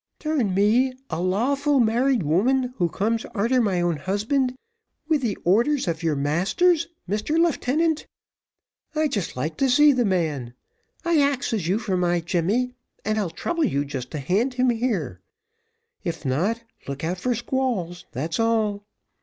"Turn me, a lawful married woman, who comes arter my own husband with the orders of your masters, Mr Leeftenant! I'd like to see the man. I axes you for my Jemmy, and I'll trouble you just to hand him here if not, look out for squalls, that's all.